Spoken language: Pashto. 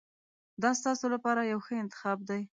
دا ستاسو لپاره یو ښه انتخاب دی.